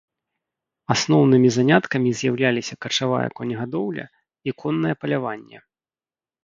Асноўнымі заняткамі з'яўляліся качавая конегадоўля і коннае паляванне.